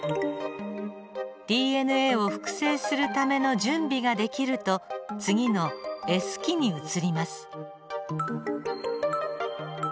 ＤＮＡを複製するための準備ができると次のＳ期に移ります。